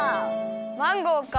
マンゴーか。